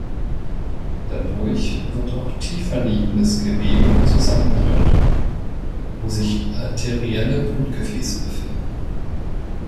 Dadurch wird auch tiefer liegendes Gewebe zusammengedrückt, wo sich arterielle Blutgefäße befinden.